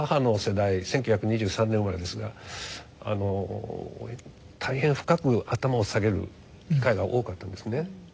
１９２３年生まれですが大変深く頭を下げる機会が多くあったんですね。